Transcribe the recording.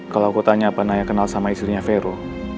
kalau aku tanya apa naya kenal sama istrinya vero